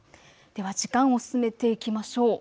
では時間を進めていきましょう。